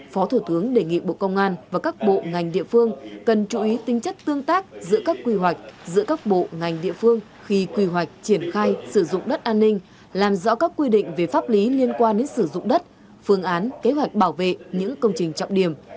phó thủ tướng đề nghị bộ công an và các bộ ngành địa phương cần chú ý tính chất tương tác giữa các quy hoạch giữa các bộ ngành địa phương khi quy hoạch triển khai sử dụng đất an ninh làm rõ các quy định về pháp lý liên quan đến sử dụng đất phương án kế hoạch bảo vệ những công trình trọng điểm